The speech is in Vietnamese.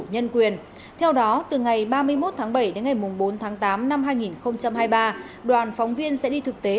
nhân quyền theo đó từ ngày ba mươi một tháng bảy đến ngày bốn tháng tám năm hai nghìn hai mươi ba đoàn phóng viên sẽ đi thực tế